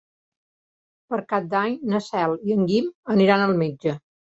Per Cap d'Any na Cel i en Guim aniran al metge.